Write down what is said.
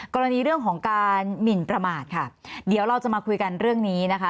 กรณีเรื่องของการหมินประมาทค่ะเดี๋ยวเราจะมาคุยกันเรื่องนี้นะคะ